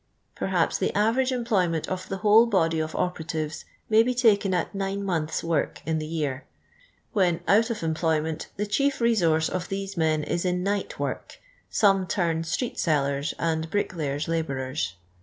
Terhaps t:ie aveia:;e eniploynient of the whole body ot' o]ieratives may he taken at nine niMiths* Work in the year. When out of employnu'iit the chief resource of thoe men is in ni;;h: work; some turn street M'liers and bricklayers' lahoareri.